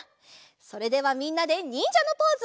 それではみんなでにんじゃのポーズ。